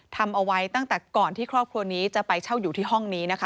ทำเอาไว้ตั้งแต่ก่อนที่ครอบครัวนี้จะไปเช่าอยู่ที่ห้องนี้นะคะ